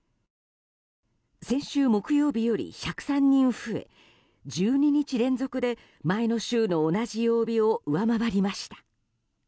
先週木曜日より１０３人増え１２日連続で前の週の同じ曜日を上回りました。